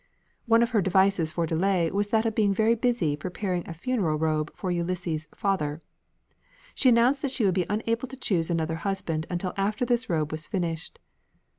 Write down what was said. One of her devices for delay was that of being very busy preparing a funeral robe for Ulysses' father. She announced that she would be unable to choose another husband until after this robe was finished.